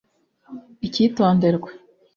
Icyitonderwa